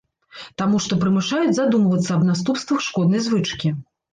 Таму што прымушаюць задумвацца аб наступствах шкоднай звычкі.